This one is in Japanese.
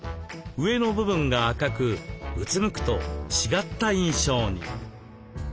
上の部分が赤くうつむくと違った印象に。